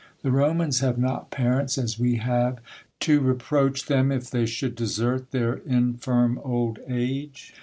The Romans have not * parents, as we have, to reproach them if they should desert their infirm old age.